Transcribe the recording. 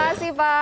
terima kasih pak